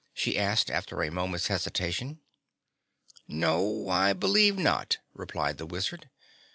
she asked after a moment's hesitation. "No, I believe not," replied the Wizard.